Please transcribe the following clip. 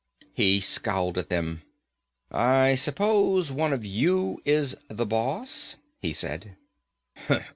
He scowled at them. "I suppose one of you is the boss," he said.